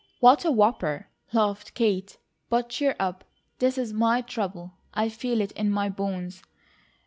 "What a whopper!" laughed Kate. "But cheer up. This is my trouble. I feel it in my bones.